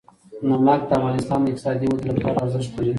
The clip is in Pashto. نمک د افغانستان د اقتصادي ودې لپاره ارزښت لري.